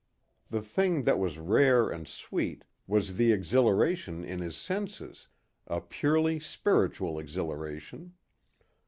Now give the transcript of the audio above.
The thing that was rare and sweet was the exhilaration in his senses a purely spiritual exhilaration.